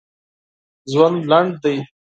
ژوند لنډ دی